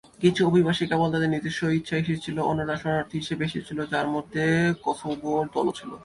কিছু অভিবাসী কেবল তাদের নিজস্ব ইচ্ছায় এসেছিল; অন্যরা শরণার্থী হিসেবে এসেছিল, যার মধ্যে কসোভোর দলও ছিল।